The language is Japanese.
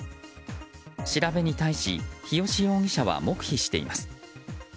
調べに対し、日吉容疑者は黙秘しています。